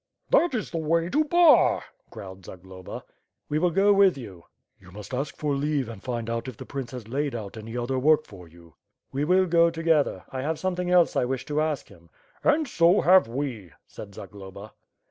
"That is the way to Bar," growled Zagloba. "We will go with you." WITH FIRE AND ISWORD, ^^j "You must ask for leave and find out if the prince has laid out any other work for you." "We will go together. 1 have something else I wish to ask him." "And so have we," said Zagloba.